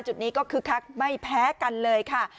จุดนี้ก็คึกคักไม่แพ้กันเลยค่ะ